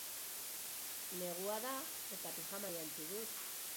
Negua da eta pijama jantzi dut.